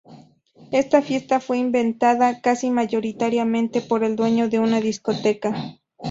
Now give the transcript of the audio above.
Esta fiesta fue inventada casi mayoritariamente por el dueño de una discoteca.